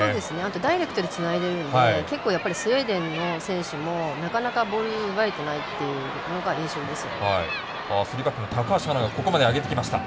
ダイレクトにつないでるのでスウェーデンの選手もなかなかボール奪えてないっていうのが印象です。